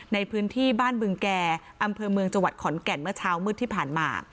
ในพื้นที่บ้านบึงแก่อำเภอเมืองจังหวัดขอนแก่นเมื่อเช้ามืดที่ผ่านมา